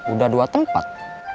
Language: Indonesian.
udah dua tempat